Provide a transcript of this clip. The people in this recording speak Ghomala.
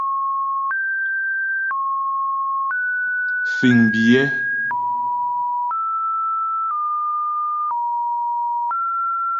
Fíŋ biyɛ́.